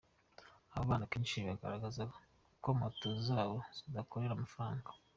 Aba nabo akenshi bagaragaza ko moto zabo zidakorera amafaranga.